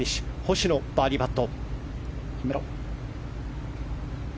星野のバーディーパット。